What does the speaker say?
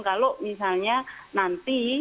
kalau misalnya nanti